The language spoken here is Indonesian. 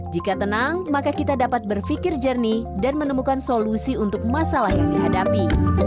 jika tenang maka kita dapat berpikir jernih dan menemukan solusi untuk masalah yang dihadapi